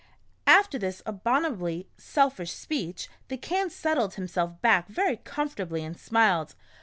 After this abominably selfish speech, the Can settled himself back very comfortably, and smiled.